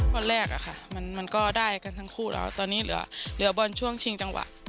วันแรกอะค่ะมันก็ได้กันทั้งคู่แล้วตอนนี้เหลือบอลช่วงชิงจังหวะ